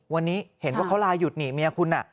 วันนี้เห็นว่าเขาลาหยุดนี่เมียคุณ